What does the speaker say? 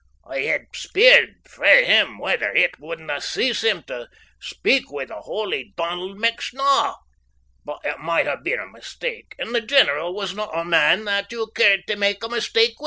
I'd ha' speered frae him whether it wouldna ease him to speak wi' the holy Donald McSnaw, but it might ha' been a mistake, and the general wasna a man that you'd care tae mak' a mistake wi'.